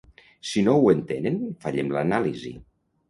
Si no ho entenem, fallem l’anàlisi.